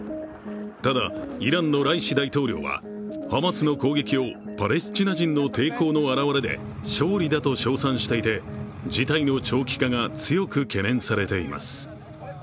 ただ、イランのライシ大統領は、ハマスの攻撃をパレスチナ人の抵抗の表れで勝利だと称賛していて、事態の長期化が強く懸念されています。